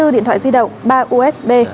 hai mươi bốn điện thoại di động ba usb